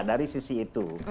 dari sisi itu